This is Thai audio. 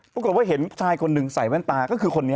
ปรากฏว่าเห็นชายคนหนึ่งใส่แบบนี้คือการณ์นี้